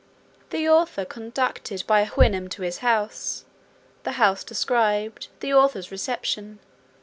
The author conducted by a Houyhnhnm to his house. The house described. The author's reception.